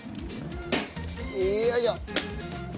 よいしょ！